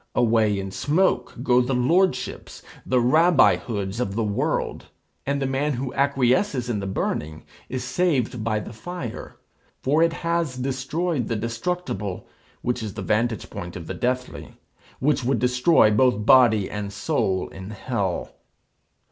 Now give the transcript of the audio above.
Away in smoke go the lordships, the Rabbi hoods of the world, and the man who acquiesces in the burning is saved by the fire; for it has destroyed the destructible, which is the vantage point of the deathly, which would destroy both body and soul in hell.